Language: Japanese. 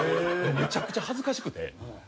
めちゃくちゃ恥ずかしくて。